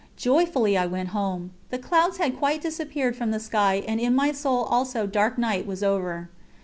Joyfully I went home. ... The clouds had quite disappeared from the sky, and in my soul also dark night was over.